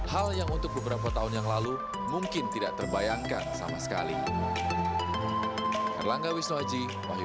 hal yang untuk beberapa tahun yang lalu mungkin tidak terbayangkan sama sekali